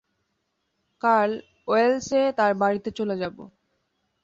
কাল ওয়েলস্-এ তার বাড়ীতে চলে যাবে।